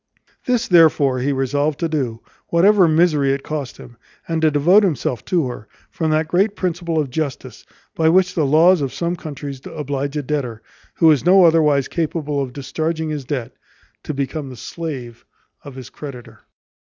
This therefore he resolved to do, whatever misery it cost him, and to devote himself to her, from that great principle of justice, by which the laws of some countries oblige a debtor, who is no otherwise capable of discharging his debt, to become the slave of his creditor.